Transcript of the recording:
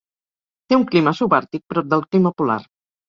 Té un clima subàrtic prop del clima polar.